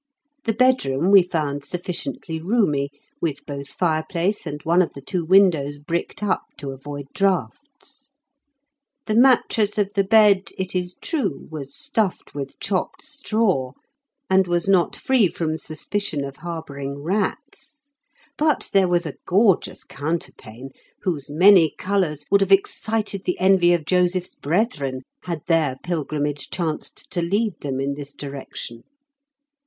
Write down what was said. The bedroom we found sufficiently roomy, with both fireplace and one of the two windows bricked up to avoid draughts. The mattress of the bed, it is true, was stuffed with chopped straw, and was not free from suspicion of harbouring rats. But there was a gorgeous counterpane, whose many colours would have excited the envy of Joseph's brethren had their pilgrimage chanced to lead them in this direction.